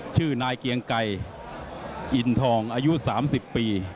ชื่อนายเกียงไกรอินทองอายุ๓๐ปี